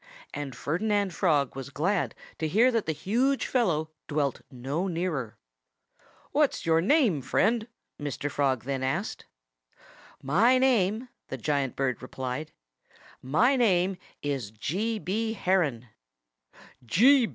And Ferdinand Frog was glad to hear that the huge fellow dwelt no nearer. "What's your name, friend?" Mr. Frog then asked. "My name " the giant bird replied "my name is G. B. Heron."